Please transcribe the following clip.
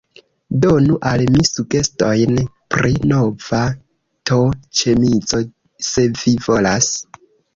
Donu al mi sugestojn pri nova t-ĉemizo, se vi volas.